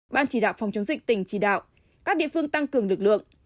ban chỉ đạo phòng chống dịch tỉnh chỉ đạo các địa phương tăng cường lực lượng